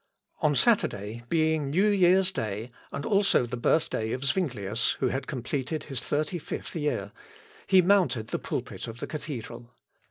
On Saturday, being new year's day, and also the birthday of Zuinglius, who had completed his thirty fifth year, he mounted the pulpit of the cathedral.